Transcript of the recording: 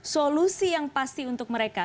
solusi yang pasti untuk mereka